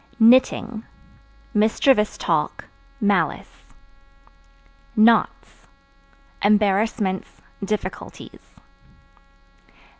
Knitting Mischievous talk, malice. Knots Embarrassments, difficulties.